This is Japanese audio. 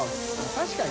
確かに。